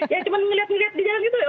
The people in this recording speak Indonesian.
ya cuma ngeliat ngeliat di jalan itu ya